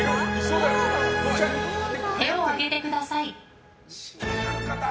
手を上げてください。